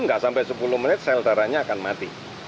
nggak sampai sepuluh menit sel darahnya akan mati